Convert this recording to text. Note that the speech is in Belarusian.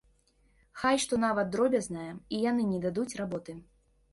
Хай што нават дробязнае, і яны не дадуць работы.